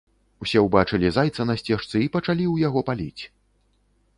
Усе ўбачылі зайца на сцежцы і пачалі ў яго паліць.